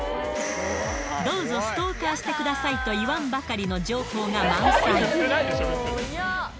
どうぞストーカーしてくださいと言わんばかりの情報が満載。